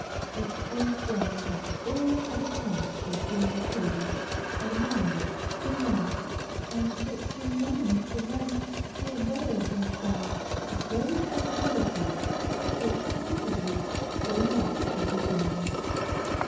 It is well that all have a chance of being approved, admired, beloved, and it remains for them to avail themselves of those possibilities which contribute so much to happiness.